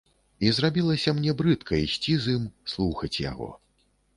І зрабілася мне брыдка ісці з ім, слухаць яго.